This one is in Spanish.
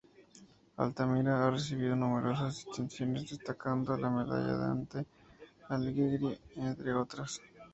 Altamira ha recibido numerosas distinciones, destacando la medalla Dante Alighieri, entre otras.